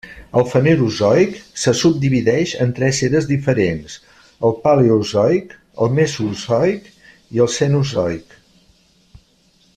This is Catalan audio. El Fanerozoic se subdivideix en tres eres diferents: el Paleozoic, el Mesozoic i el Cenozoic.